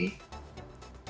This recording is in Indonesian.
apakah tidak diperhatikan